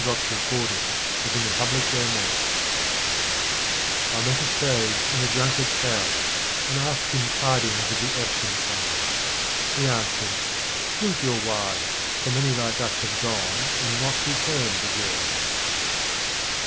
12 QUATRAINS OF OMAR KHAYYAM I MET a sage in a drunkard's house, and asked him tidings of the absent ones. He answered, u Drink your wine, for many like us have gone, and not returned again."